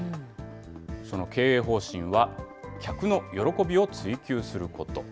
その経営方針は客の喜びを追求すること。